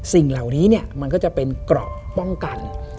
สิ่งเหล่านี้เนี่ยมันก็จะเป็นเกราะป้องกัน